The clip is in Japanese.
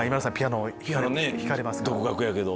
独学やけど。